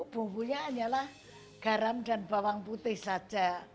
bumbunya hanyalah garam dan bawang putih saja